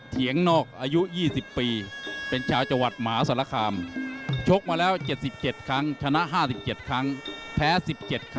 เผียงนอกอายุ๒๐ปี